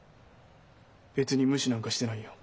別に無視なんかしてないよ。